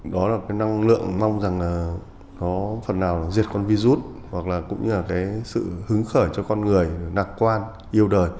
đó là cái năng lượng mong rằng là nó phần nào là diệt con virus hoặc là cũng như là cái sự hứng khởi cho con người đặc quan yêu đời